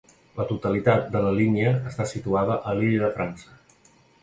La totalitat de la línia està situada a l'Illa de França.